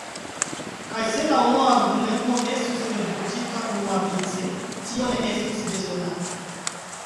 Kaj se la unua argumento estus reduktita unuavice, tio ne estus bezonata.